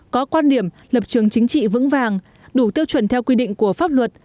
có quan điểm lập trường chính trị vững vàng đủ tiêu chuẩn theo quy định của pháp luật